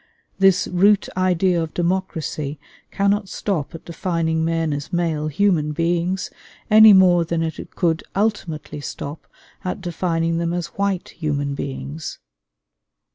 This root idea of democracy cannot stop at defining men as male human beings, any more than it could ultimately stop at defining them as white human beings.